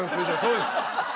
そうです。